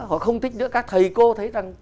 họ không thích nữa các thầy cô thấy rằng